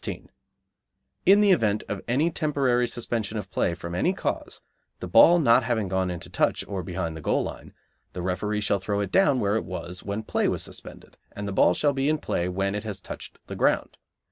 In the event of any temporary suspension of play from any cause, the ball not having gone into touch or behind the goal line, the referee shall throw it down where it was when play was suspended, and the ball shall be in play when it has touched the ground.